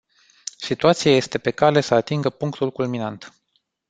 Situația este pe cale să atingă punctul culminant.